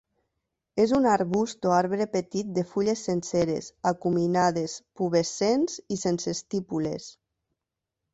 És un arbust o arbre petit de fulles senceres, acuminades, pubescents i sense estípules.